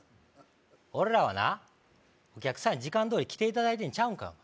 俺らはなお客さんに時間どおり来ていただいてんちゃうんか？